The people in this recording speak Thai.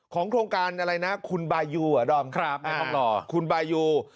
ของโครงการอะไรนะคุณบายูครับคุณบายู